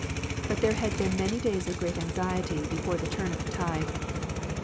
But there had been many days of great anxiety before the turn of the tide.